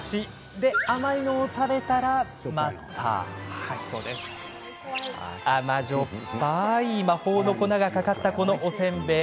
で、甘いのを食べたらまた甘じょっぱい魔法の粉がかかったこのおせんべい。